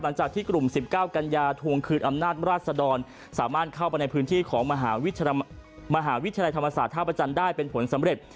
หลังจากที่กลุ่ม๑๙กันยาทวงคืนอำนาจราชดรสามารถเข้าไปในพื้นที่ของมหาวิทยาลัยธรรมศาสตร์ท่าประจันทร์ได้เป็นผลสำเร็จ